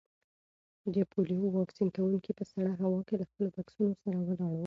د پولیو واکسین کونکي په سړه هوا کې له خپلو بکسونو سره ولاړ وو.